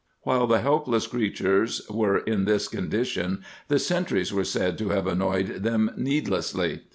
While the helpless creat ures were in this condition the sentries were said to have annoyed them needlessly.